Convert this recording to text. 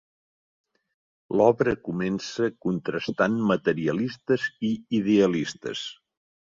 L'obra comença contrastant materialistes i idealistes.